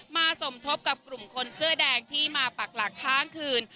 สมทบกับกลุ่มคนเสื้อแดงที่มาปักหลักค้างคืน